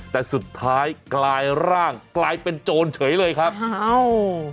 แต่สุดท้ายกลายร่างกลายเป็นโจรเฉยเลยครับอ้าว